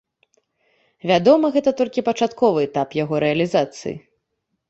Вядома, гэта толькі пачатковы этап яго рэалізацыі.